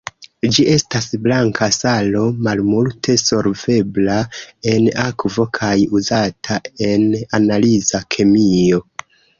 Ĝi estas blanka salo, malmulte solvebla en akvo kaj uzata en analiza kemio.